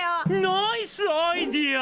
ナイスアイデア！